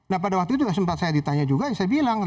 nah pada waktu itu sempat saya ditanya juga saya bilang